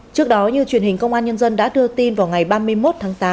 trước đó như truyền hình công an nhân dân đã đưa tin vào ngày ba mươi một tháng tám